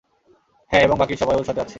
হ্যাঁ এবং বাকি সবাই ওর সাথে আছে।